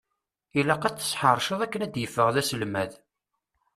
Ilaq ad t-tesseḥṛeceḍ akken ad d-yeffeɣ d aselmad!